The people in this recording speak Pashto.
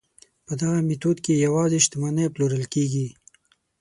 په دغه میتود کې یوازې شتمنۍ پلورل کیږي.